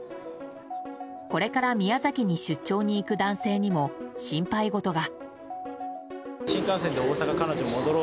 これから宮崎に出張に行く男性にも心配事が。